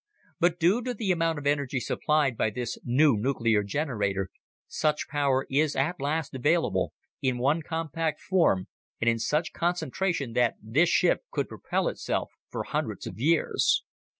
But due to the amount of energy supplied by this new nuclear generator, such power is at last available in one compact form and in such concentration that this ship could propel itself for hundreds of years."